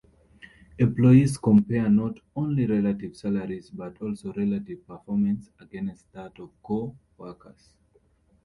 Employees compare not only relative salaries but also relative performance against that of co-workers.